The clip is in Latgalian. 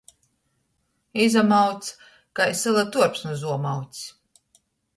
Izamauc kai syla tuorps nu zuomaucis.